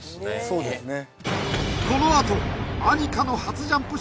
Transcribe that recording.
そうですね